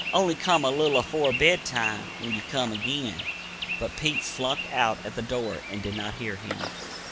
Only come a little afore bed time when ye come again." But Pete slunk out at the door and did not hear him.